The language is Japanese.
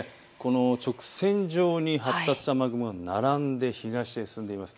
直線状に発達した雨雲が並んで東へ進んでいます。